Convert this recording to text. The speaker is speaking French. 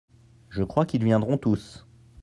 Je crois qu'ils viendront tous.